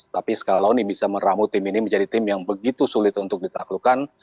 tapi skalauni bisa meramu tim ini menjadi tim yang begitu sulit untuk ditaklukkan